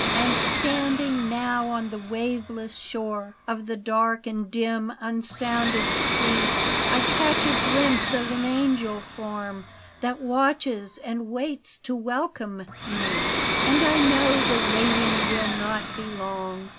And standing now on the waveless shore Of the dark and dim unsounded sea, I catch a glimpse of an angel form That watches and waits to welcome me. And I know the waiting will not be long.